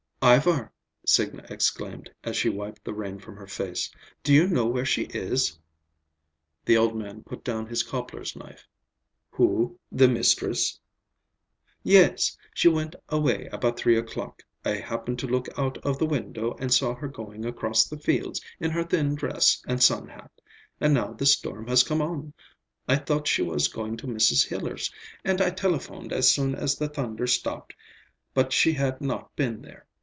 "Ivar," Signa exclaimed as she wiped the rain from her face, "do you know where she is?" The old man put down his cobbler's knife. "Who, the mistress?" "Yes. She went away about three o'clock. I happened to look out of the window and saw her going across the fields in her thin dress and sun hat. And now this storm has come on. I thought she was going to Mrs. Hiller's, and I telephoned as soon as the thunder stopped, but she had not been there.